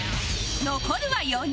残るは４人